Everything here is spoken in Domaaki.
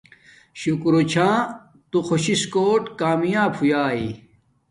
شکورچھا تو خوش شس کوٹ کامیاب ہویاݵݵ